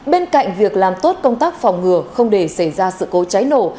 bên cạnh việc làm tốt công tác phòng ngừa không để xảy ra sự cố cháy nổ